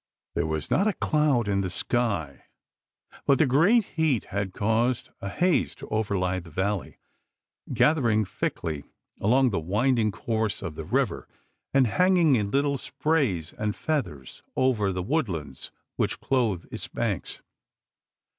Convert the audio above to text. There was not a cloud in the sky, but the great heat had caused a haze to overlie the valley, gathering thickly along the winding course of the river, and hanging in little sprays and feathers over the woodlands which clothe its banks.